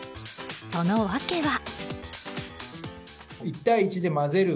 その訳は。